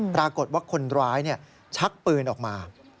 ปรากฏว่าคนร้ายชักปืนออกมา